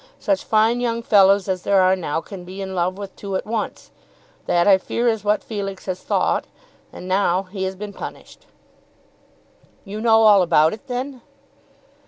Such fine young fellows as there are now can be in love with two at once. That I fear is what Felix has thought; and now he has been punished." "You know all about it then?"